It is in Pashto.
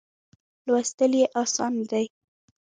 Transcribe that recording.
لوستل یې آسانه دي.